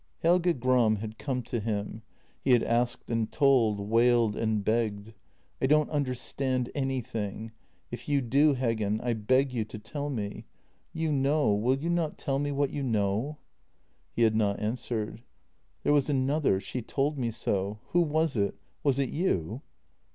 Helge Gram had come to him; he had asked and told, wailed and begged: " I don't understand anything. If you do, Heggen, I beg you to tell me. You know — will you not tell me what you know? " He had not answered. " There was another; she told me so. Who was it? Was it you?